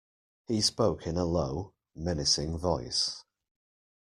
He spoke in a low, menacing voice.